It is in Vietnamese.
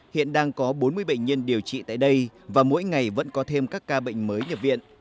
hiện đang có bốn mươi bệnh nhân điều trị tại đây và mỗi ngày vẫn có thêm các ca bệnh mới nhập viện